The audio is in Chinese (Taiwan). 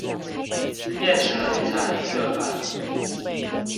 變成彩色版